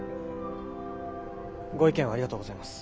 ご意見をありがとうございます。